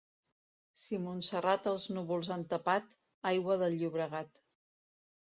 Si Montserrat els núvols han tapat, aigua del Llobregat.